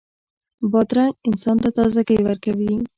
بادرنګ انسان ته تازهګۍ ورکوي.